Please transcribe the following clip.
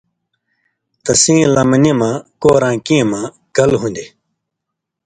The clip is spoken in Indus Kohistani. تسیں لمنی مہ (کوراں کېں مہ) کل ہُون٘دیۡ۔